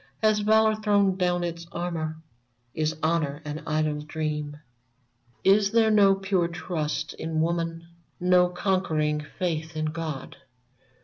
Has Valor thrown down its armor ? Is Honor an idle dream ? VERMONT 11/ Is there no pure trust in woman ? No conquering faith in God?